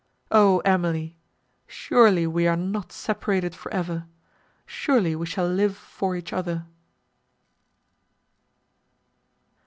O Emily! surely we are not separated for ever—surely we shall live for each other!"